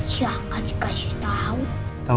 siang kali kasih tau